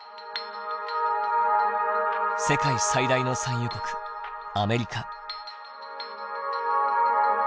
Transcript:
世界最大の産油国アメリカ。